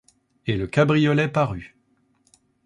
Et le cabriolet parut.